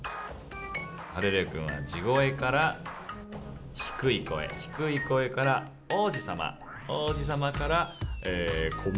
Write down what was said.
ハレルヤくんは地声から低い声低い声から王子様王子様から、こもった太い声。